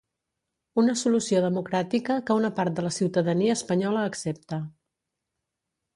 Una solució democràtica que una part de la ciutadania espanyola accepta.